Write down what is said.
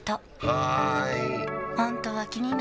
はーい！